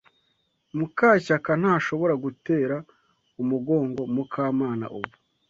Mukashyaka ntashobora gutera umugongo Mukamana ubu.